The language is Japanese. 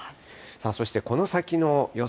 そしてこの先の予想